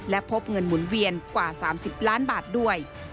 และพบเงินหมุนเวียนกว่า๓๐ล้านบาทด้วย